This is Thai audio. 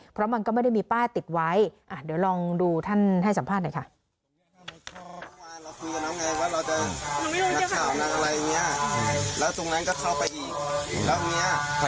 เพราะมันก็ไม่ได้มีป้ายติดไว้เดี๋ยวลองดูท่านให้สัมภาษณ์หน่อยค่ะ